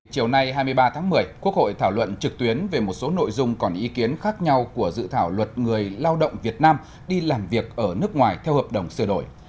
chiều nay hai mươi ba tháng một mươi quốc hội thảo luận trực tuyến về một số nội dung còn ý kiến khác nhau của dự thảo luật người lao động việt nam đi làm việc ở nước ngoài theo hợp đồng sửa đổi